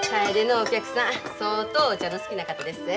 楓のお客さん相当お茶の好きな方でっせ。